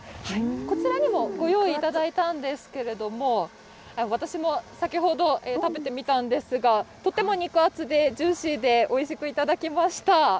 こちらにも、ご用意いただいたんですけれども、私も先ほど、食べてみたんですが、とっても肉厚でジューシーで、おいしく頂きました。